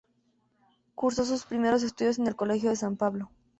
Cursó sus primeros estudios en el Colegio de San Pablo.